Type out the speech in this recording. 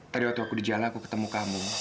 tadi waktu aku di jalan aku ketemu kamu